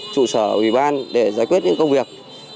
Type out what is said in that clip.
trụ sở ủy ban để giải quyết những công việc